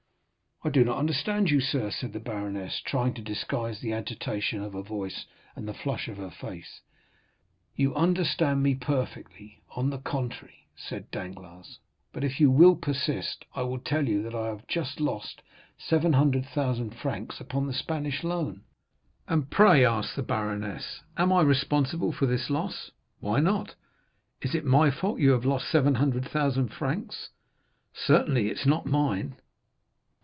"I do not understand you, sir," said the baroness, trying to disguise the agitation of her voice and the flush of her face. "You understand me perfectly, on the contrary," said Danglars: "but, if you will persist, I will tell you that I have just lost 700,000 francs upon the Spanish loan." "And pray," asked the baroness, "am I responsible for this loss?" "Why not?" "Is it my fault you have lost 700,000 francs?" "Certainly it is not mine."